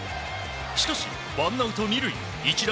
しかし、ワンアウト２塁一打